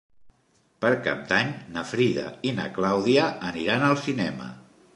Per Cap d'Any na Frida i na Clàudia aniran al cinema.